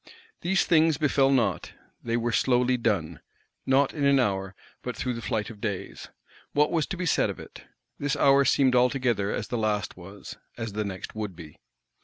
These things befell not, they were slowly done; not in an hour, but through the flight of days: what was to be said of it? This hour seemed altogether as the last was, as the next would be.